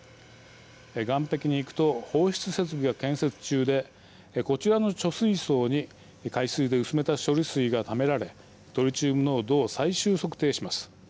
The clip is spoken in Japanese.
岸壁に行くと放出設備が建設中でこちらの貯水槽に海水で薄めた処理水がためられトリチウム濃度を最終測定します。